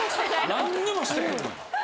何にもしてへんのに。